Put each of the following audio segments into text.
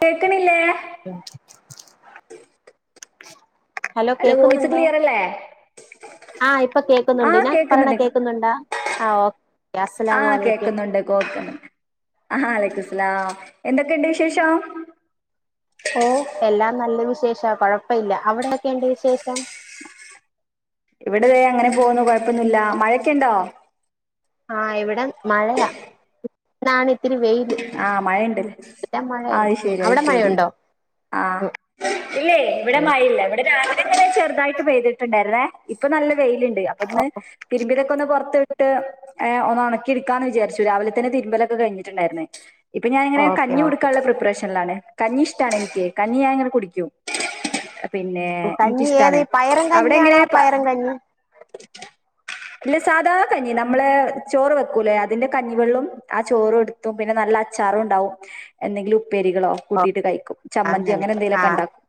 കേക്കണില്ലേ ഹലോ അല്ല വോയിസ് കേക്കുന്നുണ്ടോ ക്ലിയർ അല്ലേ ആ.. ഇപ്പൊ ആ കേക്കുന്നുണ്ട്. ഞാൻ കേക്കുന്നുണ്ട് പറയണകേക്കുന്നുണ്ടോ ആ.. ഓ.. അസ്‌ലാമലേക്കും. ആഹ് അലൈക്കുസ്ലാം എന്തൊക്കെണ്ട് വിശേഷം വിശേഷ കൊഴപ്പല്ല അവിടെയെക്കെന്ത് വിശേഷം ഇവിടിതേയങ്ങനെ പോകുന്നു കൊഴപ്പൊന്നില്ല മഴയൊക്കെ ഉണ്ടോ ആഹ് ഇവിടെം മഴയാ റാണിത്തിരി വെയിൽ ആ മഴണ്ട് അഹ് ഉം ശരി അവിടെ അഹ്‌ശരി മഴയുണ്ടോ ആ ഉം ഇല്ലേ ഇവിടെ ഉം മഴയില്ല ഇവിടെ രാവി ചെറുതായിട്ട് പെയ്തിട്ടുണ്ടായിരുന്നേ ഇപ്പൊ നല്ല വെയില് അപ്പന്ന് തിരുമ്പിയതൊക്ക ഒന്ന് പുറത്ത് ട്ട് എ ഒന്ന് ഒണക്കിട്ക്കാന്ന് വിചാരിച്ചു രാവിലെ തന്നെ തിരുമ്പലൊക്കെ കഴിഞ്ഞിട്ടുണ്ടായിരുന്നേ ഇപ്പൊ ഞാനിങ്ങനെ ഓക്കെ കഞ്ഞി ഓക്കെ കുടിക്കാന്ള്ള പ്രിപ്പറേഷനിലാണെ കഞ്ഞിഷ്ടാണെനിക്ക് കഞ്ഞി ഞാനങ്ങനെ കുടിക്കും പിന്നെ കഞ്ഞി ഏത് എനിക്കിഷ്ടാണ് പയറും അവിടെ കഞ്ഞ്യാണോ എങ്ങനെ പയറും കഞ്ഞി ഇല്ല സാധാ കഞ്ഞി നമ്മളെ ചോറ് വെക്കൂല്ലേ അതിന്റെ കഞ്ഞിവെള്ളം ആ ചോറും ഇടുത്തും പിന്നെ നല്ല അച്ചാറുണ്ടാവും എന്തെങ്കിലും പ്പേരികളോ ഓ കൂട്ടിട്ട് കഴിക്കും ചമ്മന്തിയോ അങ്ങനെ എന്തേലൊക്കെ ഉണ്ടാക്കും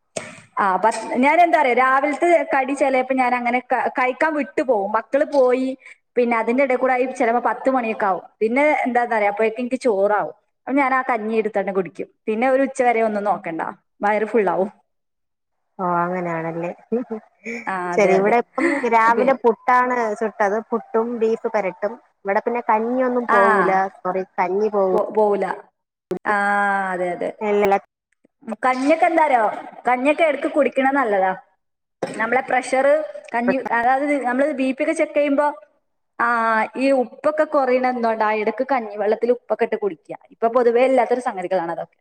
ആ പക്ഷെ ഞാനന്താറയൊ രാവിൽത്തെ കടി ചെലേപ്പംഞാനങ്ങനെ ക കഴിക്കാൻ വിട്ടു പോവും മക്കള് പോയി പിന്നതിന്റെടേക്കൂടായി ചെലപ്പോ പത്ത് മണിയൊക്കാവും പിന്നെന്താ ന്നാറയൊ അപ്പോഴേക്കു ഇൻക്ക് ചോറാവും അപ്പൊ ഞാൻ ആ കഞ്ഞി എടുത്ത തന്നെ കുടിക്കും പിന്നെ ഒരു ഉച്ച വരെ ഒന്നും നോക്കണ്ട വയറ് ഫുള്ളാവും ഓ അങ്ങനെയാണല്ലേ ആ അതെ ശരി അതെ ഇവിടെ ഇപ്പം പി രാവിലെ പുട്ടാണ് ചു ട്ടത് പുട്ടും ബീഫുവരട്ടും ഇവടെ പിന്നെ കഞ്ഞിയൊന്നും ആ പോരൂല സോറി കഞ്ഞി പോവൂ പോ പോവൂല ആഹ് അതെ അതെ വെള്ള ഉം കഞ്ഞിക്കെന്തറയോ കഞ്ഞിക്കെ എട്ക്ക് കുടിക്കണെ നല്ലതാ നമ്മളെ പ്രഷറ് കഞ്ഞിക്കഅതാത് നമ്മള് ബീപ്പിഒക്കെ ചെക്ക് ചെയ്യുമ്പോ ആ ഈ ഉപ്പൊക്കെ കൊറയ്ണന്തോണ്ട ആ ഇടക്ക് കഞ്ഞിവെള്ളത്തിൽ ഉപ്പൊക്കെ ഇട്ട് കുടിക്ക ഇപ്പൊ പൊതുവേ ല്ലാത്തൊരു സംഗതികളാണ് അതൊക്കെ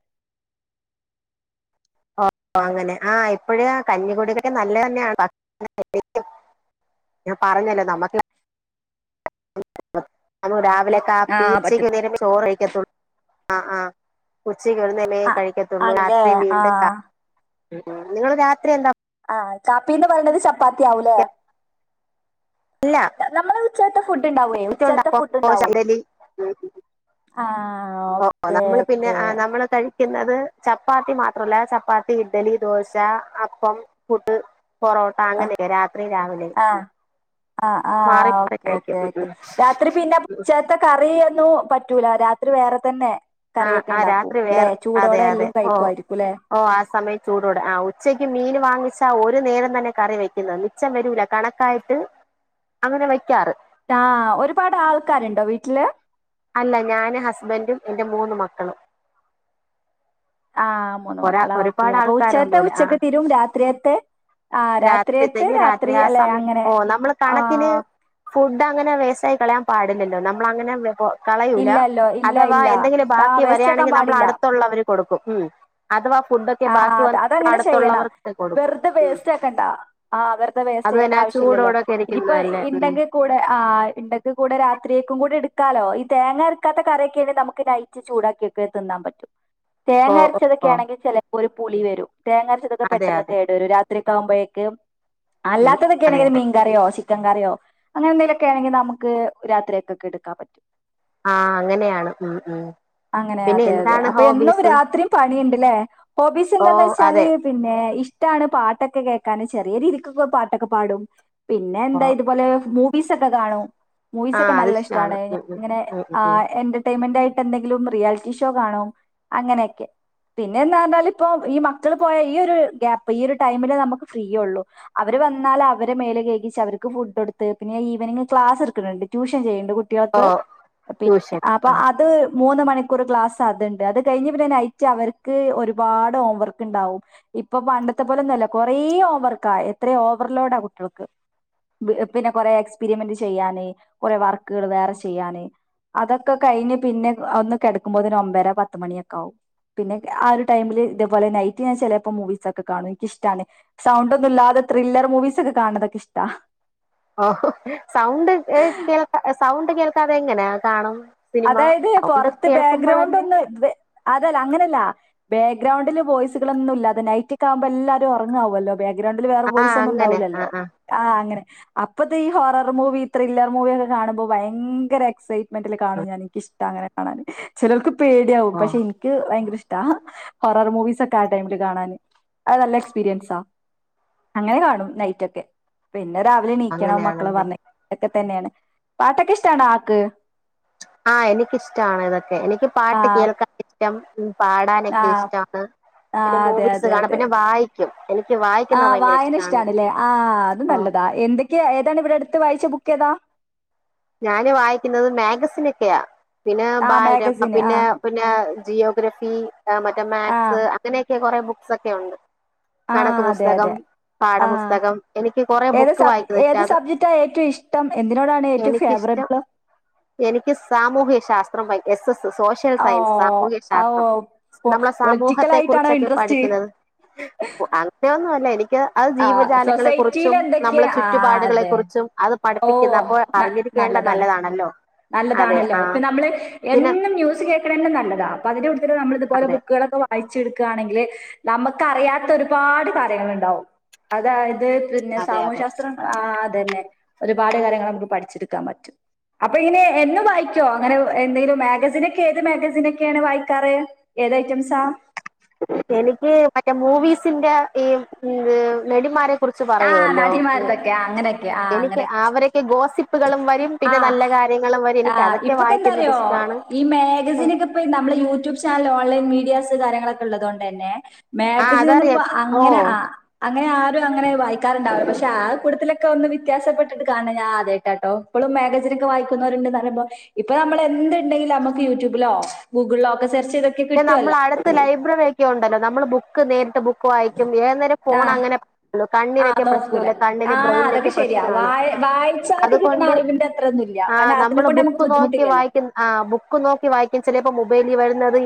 ഓ അങ്ങനെ ആ ഇപ്പഴ് കഞ്ഞികുടിക്ക്ണത് നല്ലെന്നാട പ [unintelligible] ഞാൻ പറഞ്ഞല്ലോ നമ്മക്ക് നമ്മ [unintelligible] വല്ല ആ കാപീ [unintelligible] പറ്റും ച്ചക്ക് നേരേ ചോറ് കഴിക്കത്തുള്ളൂ അഹ്ആഹ് [unintelligible] ആ കഴിക്കത്തുള്ളൂ ആണല്ലേ രാത്രി ആ വീണ്ടും ത്ത നിങ്ങള് രാത്രി എന്താ ആ കാപ്പീന്ന് പറണത് ച പാത്തി ആവുലേ ഇല്ല ച്ചത്തെ ഫു ട്ട്ണ്ടാവേ ഉച്ചത്തെ ഫുഡ് ണ്ടാവും ഇഡലി ആ ഓക്കേ ഓക്കേ ക്ക്ന്നത് ചപ്പാത്തി മാത്രല്ല ചപ്പാത്തി ഇഡ്ഡലി ദോശ അപ്പം പുട്ട് പൊറോട്ട അങ്ങനെക്കെ രാത്രിം രാവിലെം ആ ആ ഓക്കേ ഓക്കേ ഓക്കേ രാത്രി പിന്നെ ഉച്ചത്തെ കറി ഒന്നു പറ്റൂല രാത്രി വേറെ തന്നെ ആ കറിയൊക്കെ ആ ഉണ്ടാക്കും രാത്രി ല്ലെ വേർ അതെ ചൂടോടെ അതെ എല്ലാം ഓ കഴിക്കുമായിരിക്കുംല്ലെ ഓ ആ സമയം ചൂടൊടെ ആ ഉച്ചക്ക് മീൻ വാങ്ങിച്ചാ ഒ രു നേരം തന്നെ കറി വെക്കുന്നത് മിച്ചം വരൂല കണക്കായിട്ട് അങ്ങനെ വെക്കാറ് ട്ടാ ഒരുപാടാൾക്കാര്ണ്ടോ വീട്ടില് അല്ല ഞാന് ഹസ്ബൻറും എൻ്റെ മൂന്ന് മക്കളും ആ മൂന്ന് ഒരാ മക്കളാ ഓക്കേ ഒരുപാട് അപ്പൊ ഉച്ചത്തെ ആൾക്കാരൊന്നുമില്ല ആ ഉച്ചക്ക് തിരും രാത്രിയത്തെ ആ രാത്രിയത്ത് രാത്രിത്തേക്ക് രാത്രി ആ അല്ലെ സമയം അങ്ങനെ ആ ഡങ്ങനെ വെയ്സായി കളയാൻ പാടില്ലല്ലോ നമ്മളങ്ങനെ [unintelligible] കളയൂല ഇല്ലല്ലോ ഇല്ല അഥവാ ഇല്ല എന്തെങ്കിലും ബാക്കി ആഹ് വേസ്റ്റ് ആക്കാൻ വരിയാണെങ്കി നമ്മള് പാടില്ല അടുത്തുള്ളവര് കൊടുക്കും ഉം അഥവാ ഫുഡൊക്കെ ആ ബാക്കി അത വന്ന അതങ്ങനെ ചെയ്യണം അടുത്തുള്ളവർക്ക് കൊടുക്കും വെർതെ ഉം വേസ്റ്റാക്കണ്ടാ ആ വെർതെ വേസ്റ്റ് അത് തന്നെ ആ ചെയ്യേണ്ടാവശ്യ ല്ലല്ലോ ചൂടോടൊക്കെ ഇനിയിപ്പോ ഇരിക്കുന്നതല്ലേ ഉം ഇണ്ടെങ്കി കൂടെ ആ ഇണ്ടങ്കി കൂടെ രാത്രിയേക്കും കൂടെ ഇട് ക്കാലോ ഈ തേങ്ങ അരക്കാത്ത കറേക്കേണെ നമുക്ക് നൈറ്റ് ചൂടാക്കിയൊക്കെ തിന്നാൻ പറ്റും ഓ തേങ്ങ ഓ ഓ അരച്ചതൊക്കേണെങ്കി ചെല ഒരു പുളി വരും തേങ്ങരച്ചതൊക്കെ അതെ പെട്ടെന്ന് അതെ കേട് വരു രാ ത്രിയൊക്കാവുമ്പഴേക്ക് ഉം അതെ അല്ലാത്തതെക്കേണെങ്കി അതെ മീൻകറിയോ ചി ക്കങ്കറ്യോ അങ്ങനെ എന്തേലൊക്കെ ആണെങ്കി നമക്ക് രാത്രിയക്കൊക്കെ എടുക്കാൻ പറ്റും ആ അങ്ങനെയാണ് ഉം ഉം അങ്ങനെ പിന്നെ അതെ അതെ എന്താണ് അപ്പൊ എന്നും ഹോബീസ് രാത്രിം പണിണ്ട് ലേ ഹോബീസ് ഓ എന്താന്ന് വെച്ചാല് അതെ പിന്നെ ഇഷ്ടാണ് പാട്ടൊക്കെ കേ ക്കാന് ചെറിയ രീതിക്കൊക്കെ പാട്ടൊക്കെ പാടും പിന്നെ ഓ എന്താ ഇതുപോലെ മൂ വീസക്കെ കാണും ആ മൂവീസൊക്കെ അത് നല്ല ഇഷ്ടാണ് ഷ്ടാണ് ഞ ഉം ഉം ഇങ്ങനെ ഉം ഉം ആ ഉം എന്റർടൈൻമെന്റ് ആയി എന്തെങ്കിലും റിയാലിറ്റി ഷോ കാണും അങ്ങനെക്കെ പിന്നേന്ന് പറഞ്ഞാല് ഇപ്പോ ഈ മക്കള് പോയ ഈ ഒരു ഗ്യപ്പ് ഈ ഒരു ടൈമില് നമുക്ക് ഫ്രീയൊള്ളൂ അവര് വന്നാല് അവരെ മേലെ കെയ്കിച്ച് അവർക്ക് ഫുഡൊട്ത്ത് പിന്നെ ഈവനിംഗ് ക്ലാസ് ട്ക്ക്ണ് ണ്ട് ട്യൂഷൻ ചെയ്ണ്ട് കു ഓ ട്യോൾക്ക് പി ട്യൂഷൻ അപ്പൊ ആ അത് മൂന്ന് മണിക്കൂറ് ക്ലാസ് അത്ണ്ട് അത് കഴിഞ്ഞ് പിന്നെ നൈറ്റ് അവർക്ക് ഒരു ഒരുപാട് ഓംവർക്ക് ണ്ടാവും ഇപ്പൊ പണ്ടത്തെ പോലെ ന്നൊല്ല കൊറേ ഓംവർക്കാ എത്രെ ഓവർലോഡാ കുട്ട്യൾക്ക് പിന്നെ കൊറേ എക്സ്പെരിമെന്റ് ചെയ്യാന് കൊറേ വർക്ക്കള് വേറെ ചെയ്യാന് അതൊക്കെ കഴിഞ്ഞ് പിന്നെ ഒന്ന് കെടക്കുമ്പോത്തിന് ഒമ്പര പത്തുമണിയൊക്കെ ആവും പിന്നെ ആ ഒര് ടൈമില് ഇതേപോലെ നൈറ്റ് ഞാ ചെലേപ്പം മൂവീസ് ഒക്കെ കാണും എനിക്കിഷ്ടാണ് സൗണ്ടൊന്നുല്ലാതെ ത്രില്ലർ മൂവീസൊക്കെ കാണ്ന്നതൊ ക്കിഷ്ടാ ഓ ത്തതെങ്ങനെയാ കാണും സിനിമ അതായത് സൗണ്ട് പൊറത്ത് ബാക്ക്ഗ്രൗണ്ട് കേൾക്കുമ്പോഴല്ലേ ഒന്ന് വെ അതല്ല അങ്ങനെല്ല ബാക്ക്ഗ്രൗണ്ടില് വോയ്സുകളൊന്നും ഇല്ലാതെ നൈറ്റക്കാവുമ്പോ എല്ലാരും ഒറങ്ങാ വൊല്ലോ ബാക്ക്ഗ്രൗണ്ടില് വേറെ ആ വോയിസ് അങ്ങനെ ആ ഒന്നുംണ്ടാവില്ലല്ലോ ആ അങ്ങനെ അപ്പത് ഈ ഹൊറർ മൂവി ത്രില്ലർ മൂവിയ ഒക്കെ കാണുമ്പോ, ഭയങ്കര എക്സൈറ്റ്മെന്റ് [inaudible] ഇതാണ് [unintelligible] ഇഷ് അങ്ങനെ കാണാൻ ചിലർക്ക് പേടിയാവും ഓ പക്ഷെ എനിക്ക് ഭയങ്കര ഇഷ് ഹൊറർ മൂവിസ് ഒക്കെ ആ ടൈമില് കാണൻ അത് നല്ല എക്സ്പീരിയൻസാ ആ അങ്ങനെ കാണും നൈറ്റ് ഒക്കെ പിന്നെ എന്ന രാവിലെ എണീക്കണം മക്കള് അങ്ങനെയാണല്ലേ പറഞ്ഞ തന്നെയാണ് പാട്ടൊക്കെ ഇഷ്ടണോ ആക്ക് ആഹ് എനിക്കിഷ്ടാണ് ഇതൊക്കെ എനിക്ക് ആ പാട്ട് കേൾക്കാൻ ഇഷ്ടം ഉം ആ പാടാനൊക്കെ ഇഷ്ടനാണ് പിന്നെ മൂവിസ് കാണാം പിന്നെ വായിക്ക ആഹ വായന ഇഷ്ടണല്ലേ ആ് അത് ഓ നല്ലതാ എന്തൊക്കെയ ഏതാണ് ഇവിടെ അടുത്ത് വായിച്ച ബു [unintelligible] ഏതാ ഞാന് വായിക്കുന്നത് മാഗസിനൊക്കെയാ പിന്നെ ആ ബാലരമ മാഗസിൻ ആ പിന്നെ പിന്നെ ജിയോഗ്രഫി മറ്റ ആ മാത്‍സ് അങ്ങനെയൊക്കെ കൊറേ ബുക് സക്കെ ഉണ്ട് ആ കണക്ക് അതെ അതെ പുസ്തകം ആ പാഠപുസ്തകം എനിക്ക് കൊറെ ഏത് ബുക്ക് സബ്ജ വായിക്കുന്നത് ഇഷ്ട ഏത് അത് സബ്ജക്റ്റാ ഏറ്റുഇഷ്ടം എന്തിനോടാണ് ഏറ്റവും എനിക്കിഷ്ടം ഫേവറബിൾ എനിക്ക് സാമൂഹ്യ ശാസ് ത്രം പയ്‌ എസസ് സോഷ്യൽ ഓ സയൻസ് ആ, ഓ സാമൂഹാസ്ത്രം നമ്മളെ പൊളിറ്റിക്കൽ സമൂഹത്തെ ആയിട്ടാണോ കുറിച്ചൊക്കെ ഇൻട്രസ്റ്റ് പഠിക്കുന്നത് അങ്ങന ഒന്നും ലെനി ക്ക് അത് ആ ജീവജാലങ്ങളെ സൊസൈറ്റിയിൽ കുറിച്ചും നമ്മളെ എന്തൊക്കെയാ ആ ചുറ്റുപാടുകളെ അതെ കുറിച്ചും അത് ഓ പഠിപ്പിക്കുന്ന അപ്പോ ന നല്ലതാണ് അതെ നല്ലതാണല്ലോ ആ ഇപ്പ നമ്മള് പിന്നെ എന്നും ന്യൂസ് കേക്ക്ണന്നെ നല്ലതാ അപ്പൊ അതി നമ്മ ഇതുപോലെ അതെ ബുക്കുകളൊക്കെ വായ്‌ ച്ചെടുക്കാണെങ്കില് നമക്കറിയാത്ത ഒരുപാട് കാര്യങ്ങള്ണ്ടാവും അതായ ത് പിന്നെ അതെ അതെ സാമൂഹശാസ്ത്രം ആഹ് അതന്നെ ഒരുപാട് കാര്യങ്ങള് നമുക്ക് പഠിച്ച്ട്ക്കാൻ പറ്റും അപ്പൊ ഇങ്ങനെ എന്ന് വായിക്കോ അങ്ങനെ എന്തെങ്കിലും മാഗസിനെക്കെ ഏത് മാഗസിനക്കെയാണ് വായിക്കാറ് ഏത് ഐറ്റംസാ എനിക്ക് മറ്റേ മൂവിസിന്റെ ഈ ഇ നടിമാരെ കുറിച്ച് ആ പറയുമല്ലോ നടിമാരതൊക്കെ ആ അങ്ങനെയൊക്കെ ആ എനിക്ക് അങ്ങനെയൊക്കെ അവരൊക്കെ ഗോസിപ് ആ ആ എനിക്ക് അതൊക്കെ ഇപ്പൊക്കെ വായിക്കുന്നത് എന്താറിയോ ഇഷ്ടമാണ് ഈ മാഗസനൊക്കെ ഇപ്പ നമ്മെ യൂട്യൂബ് ചാനൽ ഓൺലൈൻ മീഡിയ കാര്യങ്ങളൊക്കെ ഉള്ളത കൊണ്ട് തന്നെ ആ മാഗസിൻന്ന് അതറിയാം ഇപ്പോ ഓ അങ്ങനെ ആ അങ്ങനെ ആരും അങ്ങനെ വായിക്കാറുണ്ടാവില്ല പക്ഷെ ആ ക കുട്ട ത്തിലൊക്കെ ഒന്ന് വ്യത്യാസപ്പെട്ടിട്ട് കാണ ഞാ ആദ്യമായിട്ടാട്ടോ ഇപ്പോഴും മാഗസിൻ ഒക്കെ വായിക്കുന്നവരുണ്ടന്ന് പറയുമ്പോ ഇപ്പൊ നമ്മൾ എന്ണ്ടെങ്കും നമുക്ക് യൂട്യൂബിലോ ഗൂഗിളിലോ ഒക്കെെ നമ്മൾ അടുത്ത് ലൈബ്രറി വഴൊക്കെ ഉണ്ടല്ലോ നമ്മള് ബു നേ ബുക്ക് വായിക്കും ഏേരം ആ ഫോൺ അങ്ങനെ ആ കണ്ണിനൊക്കെ പ്രശ്നം നോക്കൂല അല്ലെ കണ്ണിന്റെ ആ ബ്രെയിനൊക്കെ അതൊക്കെ ശരിയാ പ്രശ്നമാണ് വായ വായിച്ചായിട്ട് കിട്ടുന്ന അതുകൊണ്ട് അറിവിന്റെ അത്ര ഒന്നുമില്ല ആ കാരണം അതിനെ നമ്മള് കൊണ്ട് നമുക്ക് ബുക്ക് നോക്കി ബുദ്ധിമുട്ടില്ലല്ലോ വായിക്കുന്ന ആ ബുക്ക് നോക്കി വായിക്കും ചിലപ്പോ മൊബൈലിൽ വരുന്നത്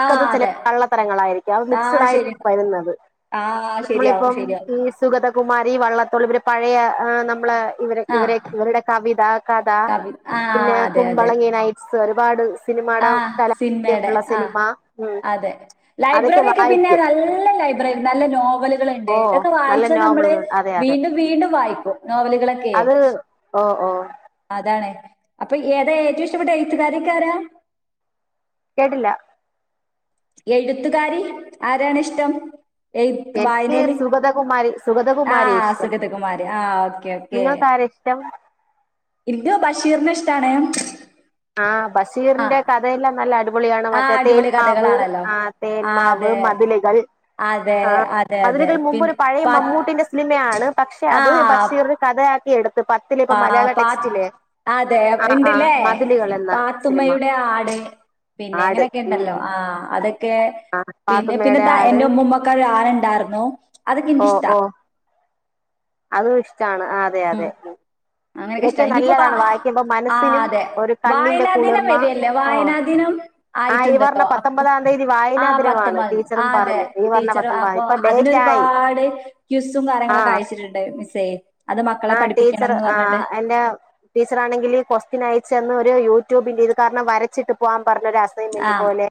ആ ചില അതെ ക ള്ളതരങ്ങളായിരിക്കും അത് ആ മിക്സഡ ആയിട്ട് ശരി വരുന്നത് ആഹ് ശരിയാവും നമ്മളിപ്പം ശരിയാവും ഈ സുഗതകുമാരി വള്ളത്തോൾ ഇവര് പഴയ നമ്മള ഇവരെ ആഹ് ഇവരെ ഇവരുടെ കവിത കഥ കവി ആഹ് പിന്നെ അതെ അതെ കുമ്പളങ്ങി നൈറ്റ്സ്ർ വാട് സിനിമായുടെ കലുള്ള [unintelligible] ആ അതെ അതൊക്കെ ലൈബ്രറി ഒക്കെ പിന്നെ വായിക്കും നല്ല ലൈബ്രറി നല്ല നോവലുകളൾഉ ണ്ട് ഓ ഇതൊക്കെ നല്ല വായിച്ചാ നമ്മള് നോവലുകൾ അതെ അതെ വീണ്ടും വീണ്ടും വായിക്കും നോവലുകളൊക്കെ അത് ഓ ഓ അതാാണ് അപ്പൊ ഏതാ ഏറ്റവും ഇഷ്ടപ്പെട്ട എഴുത്തുകാതിക്കാരാ കേടില്ല എഴുത്തുകാരി ആരാണിഷ്ടം എനിക്ക് സുഗതകുമാരി ആ സുഗതകുമാരി അ ഇഷ്ടം സുഗതകുമാരി ആ് ഓക്കെ ഓക്കേ നിങ്ങൾക്ക് ആരാ ഇഷ്ടം ഇ ബഷീറിനഷ ഇഷ്ടമാണ് ആ് ബഷീറിന്റെ കഥയെല്ലാം നല്ല അടിപൊളിയാണ് ആഹ് മറ്റേ അടിപൊളി തേന്മാവ് കഥകളാണല്ലോ. ആ ആഹ് തേന്മാവ് അതെ. മതിലുകൾ അതെ ആ അതെ അതെ മതിലുകൾ മുമ്പ് പിന്നെ പഴയ പ മമ്മൂട്ടിന്റെ സി സിനിമയാണ് പക്ഷെ അത് ബഷീറടെ കഥ ക്കി എടു ആ പ അതെ ആഹ് ആഹ് ഉണ്ടില്ലേ മതിലുകൾ എന്ന സിനിമ പാത്തുമ്മയുടെ ആട് പിന്നെ ആട് ഉം എങ്ങനെയൊക്കെണ്ടല്ലോ ആ അതൊക്കെ ആഹ് പിന്നെ പാത്തുമ്മയുടെ പിന്നെന്താ ആട് എന്റെ ഉമ്മൂമ്മക്ക് ഒരു ആനണ്ടായിരുന്നു അതൊക്കെ എനിക്കിഷ്ട അത് ഇഷ ഇഷ്ടാണ് അതെ അതെ അങ്ങനെയൊക്കെ ഇഷ്ട ഇതൊക്കെ ഇനിയിപ്പോ വ നല്ലതാണ് വായിക്കുമ്പോ ആ മനസ്സിനും അതെ ഒരു കണ്ണിന്റെ വായനാ ദിനം കുളിർമ വരില്ലേ ഓ വായനാ ദീനം ആഹ് ഈ പറഞ്ഞ ആയിട്ടുണ്ടല്ലോ അ പത്തൊമ്പതാം തീയതി ആ വായനാ ദിനമാണ് പത്തൊമ്പതാം തീയതി ആ ടീച്ചറും അതെ പറഞ്ഞു ഈ പറഞ്ഞ ടീച്ചർ പത്തൊമ്പതാം അപ്പൊ ഇപ്പൊ ഡേറ്റ് ആയി അതിനൊരുപാട് ക്യൂസും കാര്യങ്ങളൊക്കെ അയച്ചിട്ടുണ്ട് മിസ് ആ് ടീച്ചർ ആ് എറെ ടീച്ചർ ആണെങ്കില് കൊക്സ്റ്റിനായി ച ഒരു യൂട്യൂബി് ഇത് കാരണം വരച്ചിട്ട് പോവാൻ പറഞ്ഞൊരു ആ അസൈൻമെന്റ് പോലെ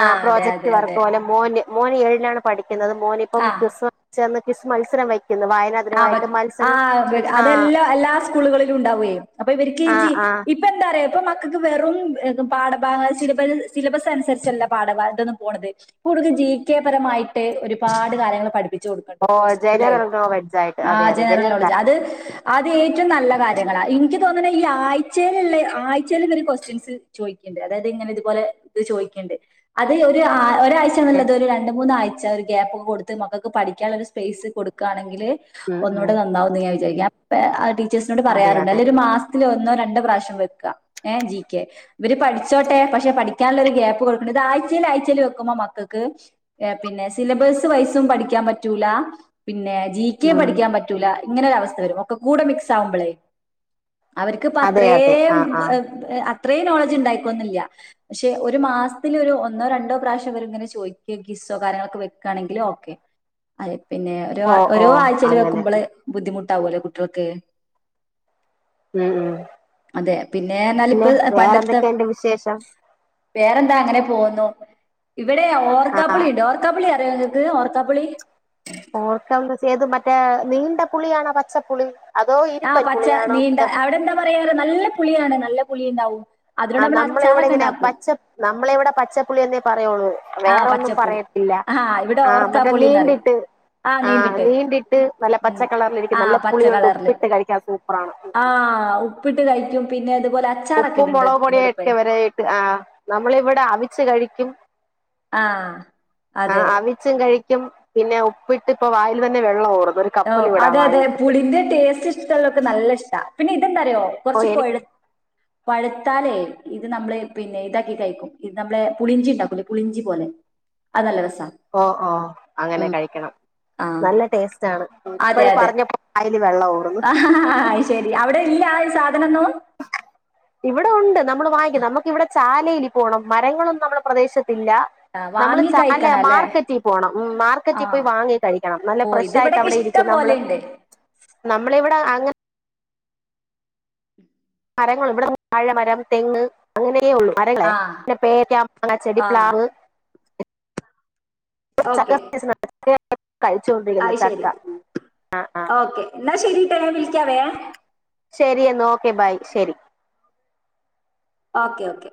ആ അതെ പ്രോജക്ട് അതെ വർക്ക് അതെ പോലെ മോന് മൂന്ന് ഏഴിനാണ് പഠിക്കുന്നത് ുന്നത് മോനി ഇപ്പം ആ ക്രിസ്മന്ന് ക്വിസ് മത്സരം വെയ് ഇന്ന് വായന ദിനമായിട്ട് മത്സൽ അതെല്ലാം എല്ലാ സ്കൂളുകളിലും ഉണ്ടാവുയെ അപ്പൊ ഇവർക്ക് ആ ജി ആ എപ്പോ എന്താ ഇപ്പ മക്കൾക്ക് വെറും പാഠഭാഗ സിലബസ് അനുസരിച്ചല്ല പാഠാ ഭാഗത്ത്‌ നിന്ന് പോണത് ജി കെ പരമായിട്ട് ഒരുപാട് കാര്യങ്ങൾ പഠിപ്പി [unintelligible] [unintelligible] ആ ജനറൽ നോളജ് അത് അത് ഏറ്റവുംന നല്ല കാര്യങ്ങള എനിക്ക് തോന്ന ഈ ആഴ്ച്ചെലുള്ള ആഴ്ചയിൽഇവര് ക്യുസ്റ്റൻസ് ചോദിക്കണ്ട് അതായത് ഇങ്ങനെ ഇതുപോലെ ചോദിക്കണ്ട് അത് ഒര് ആ ഒരാഴ്ച ആയിട്ട് നല്ലത് ഒരു രണ്ട് മൂന്നാഴ്ച ഗ്യാപ്പൊക്കെ കൊടുത്ത് മക്കൾക്ക് പഠിക്കാനുള്ള ഒരു സ്പേസ് കൊടുക്കുകയാണെങ്കിൽ ഉം ഒന്നുകൂടെ ഉം നന്നാവന്ന് ഞാൻ വിചാരിക്ക പ അ അടി േ്സിനോട് അതെ പറയാറണ്ട് അതെ അല്ലെ ഒരു മാസ് തിൽ ഒന്നോ രണ്ട പ്രാവശ്യം വെക്ക എ ജി കെ ഇവര് പഠിച്ചോട്ടെ പക്ഷെ പഠിക്കാനുള്ള ഒരു ഗ്യാപ്പ് കൊടുക്കണ്ട് ഇത് ആഴ്ചൽ ആഴ്ചൽ വെക്കുമ്പോ മക്കൾക്ക് പിന്നെ സിലബസ് വൈസും പഠിക്കാൻ പറ്റൂല പിന്നെ കെ ഉം പഠിക്കാൻ പറ്റൂല ഇങ്ങനൊരു അവസ്ഥ വരും ഒക്കെ കൂടെ മിക്സ് ആവുമ്പളേ അവർക്ക്ഇപ്പം അതെ അതെ അത്രേം ആ ആ അത്രയും നോളജ് ഉണ്ടായിക്കോന്നില്ല പക്ഷെ ഒരു മാസത്തില ഒരു ഒന്നോ രണ്ടോ പ്രാവശ്യം വരെ ഇങ്ങനെ ചോദിക്ക കിസ്വേ കാര്യങ്ങളൊക്കെ വെക്കയാണെങ്കിലിൽ ഓക്കെ അ പിന്നെ ഒര് ഓ ഓ ഒരോ ആ [unintelligible] അങ്ങനെ വെക്കുമ്പോളെ ബു ബുദ്ധിമുട്ടാവും അല്ലേ കുട്ടിൾക്ക്‌ ഉം ഉ എന്നാല് ഇപ്പ പിന്നെ വേറെന്തൊക്കെയന്റെ വിശേഷം വേറെന്താ അങ്ങനെ പോുന്നുു ഇവിടെ ആ ഓർക്കാപ്പളിയുണ്ട് ഓക്കപ്പളിയ എങ്ങക്ക് ഓർക്കാപുളി തെത് മറ്റേ നീണ്ട പുളിയണോ പച്ചപ്പുളി അതോ ആ ഇരുമ്പൻ പച്ച പുളിയാണോ നീണ്ട മറ്റേ അവിടെ എന്താ പറയാ നല്ല പുളിയാണ് നല്ല പുളി ഉണ്ടാവും അതിനോട് ആ നമ്മൾ നമ്മളെ ഇവിടെ അച്ചാറൊക്കെ ഇങ്ങനെ ഉണ്ടാക്കും പച്ച നമ്മളെ ഇവിടെ പച്ചപ്പുളിയെന്നേ പറയോള്ളൂ ആ വേറോന്നും പച്ചപ്പുളി പറയത്തില്ല ആ ഇവിടെ ആ മറ്റേ ഓർക്കാപ്പുളി എന്നറിയും നീണ്ടിട്ട് ആ നീണ്ടിട്ട് നല്ല പച്ച ഉം കളറി ആ ലിരിക്കുന്ന നല്ല പച്ച പുളിയൊണ്ട് കളറില് ഉപ്പിട്ട് കഴിക്കാൻ സൂപ്പറാണ് ആ ഉപ്പിട്ട് കഴിക്കും പിന്നെ അതുപോലെ അച്ചാറൊക്കെ ഉപ്പും ഇടുന്നുണ്ട് മുളക പൊടിയും ഇതിനോടിപ്പേ ഒക്കെ വരട്ട് ആ് നമ്മള ഇവിടെ അവിച്ച കഴി [unintelligible] ആ അതെ ക്കും പിന്നെ ഉപ്പിട്ട് ഇപ്പ വായില് തന്നെ വെള്ളം ഓറും അതെ അതെ പുളിന്റെ ടേസ്റ്റ് ഇഷ്ടള്ളോർക്ക് നല്ല ഇഷ്ട. അതെന്തറിയോ ഓ കൊറച്ച് എനിക്ക് പഴ് പഴുത്താലേ ഇത് നമ്മള് പിന്നെ ഇതാക്കി കയിക്കും ഇത് നമ്മളെ പുളിഞ്ചി ഇണ്ടാക്കൂലേ പുളിഞ്ചി പോലെ അത് നല്ല രസ ഓ ഓ അങ്ങനെ കഴിക്കണം ആ നല്ല ടേസ്റ്റ് ആണ് അതെ ഇപ്പഴ് അതെ പറഞ്ഞപ്പോ വായില് വെള്ള ഊറ്ന്ന്. ആ ശരി അവിടെ ഇല്ല സാധനൊന്നും ഇവിടെ ഉണ്ട് നമ്മള് വാങ്ങിക്ക നമുക്ക് ഇവിടെ ചാലയില് പോണം. മരങ്ങളൊന്നും നമ്മുടെ പ്രദേശത്ത് ആ, ഇല്ലനമ്മള് വാങ്ങി ചാലെ കഴിക്കണം അല്ലേ മാർക്കറ്റിൽ പോണം. ആ മാർക്കറ്റിൽ പോയി വാങ്ങി കഴിക്കണം. നല്ല ഓ ഇത് ഇവിടൊക്കെ ഫ്രഷായിട്ടവിടെ ഇഷ്ടം ഇരിക്കുന്ന പോലെ നമ്മള് ഉണ്ട് നമ്മളിവിടെ അങ്ങൻ മരങ്ങള് ഇവിടെ വാഴ മരം തെങ്ങ് അങ്ങനെ ഒക്കെ ഒള്ളൂ മരങ്ങളെ ആ പിന്നെ പേരക്ക, മാങ്ങ, ആ ചെടിപ്ലാവ് ഇപ്പൊ ചക്ക ഓക്കെ സീസണാണ് ചക്കയാണ് കഴിച്ചോണ്ടിരിക്കുന്നെ അത് ചക്ക ശരി ആ ആ എന്നാ ശരി ഓക്കെ ഞാൻ വിളിക്ക ശരിയെന്ന ഓക്കെ ബായ് ശരി ഓക്കെ ഓക്കെ